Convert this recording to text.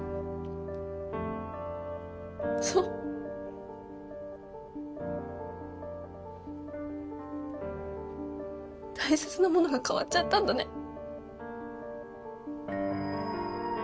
そう大切なものが変わっちゃったんだね